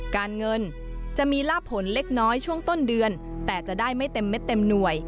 การเงินจะมีลาบผลเล็กน้อยช่วงต้นเดือนแต่จะได้ไม่เต็มเม็ดเต็มหน่วย